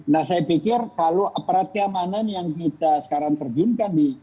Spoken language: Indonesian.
nah saya pikir kalau aparat keamanan yang kita sekarang terjunkan di